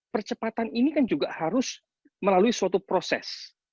percepatan ini kan juga harus melalui suatu proses